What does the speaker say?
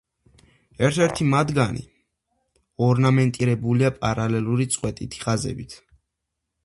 ერთ-ერთი მათგანი ორნამენტირებულია პარალელური წყვეტილი ხაზებით.